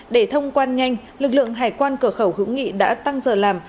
để thông quan nhanh lực lượng hải quan cửa khẩu hữu nghị đã tăng giờ làm